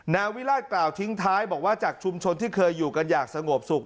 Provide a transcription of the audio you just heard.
นายวิราชกล่าวทิ้งท้ายบอกว่าจากชุมชนที่เคยอยู่กันอย่างสงบสุข